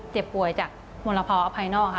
เจ็บป่วยจากมลภาวะอภัยนอกค่ะ